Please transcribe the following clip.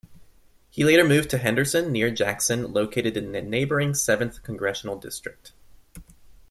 He later moved to Henderson, near Jackson, located in the neighboring Seventh Congressional District.